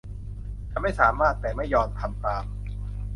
ฉันไม่สามารถแต่ไม่ยอมทำตาม